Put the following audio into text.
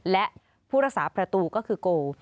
และผู้รักษาประตูก็คือโก